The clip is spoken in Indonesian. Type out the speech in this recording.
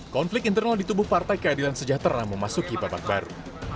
konflik internal di tubuh partai keadilan sejahtera memasuki babak baru